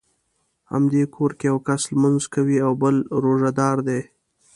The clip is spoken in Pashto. همدې کور کې یو کس لمونځ کوي او بل روژه دار دی.